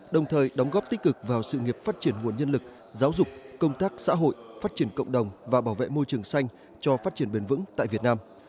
đồng thời đóng góp tích cực vào sự nghiệp phát triển nguồn nhân lực giáo dục công tác xã hội phát triển cộng đồng và bảo vệ môi trường xanh cho phát triển bền vững tại việt nam